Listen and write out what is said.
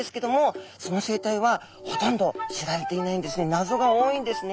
謎が多いんですね。